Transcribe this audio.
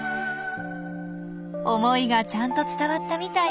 思いがちゃんと伝わったみたい。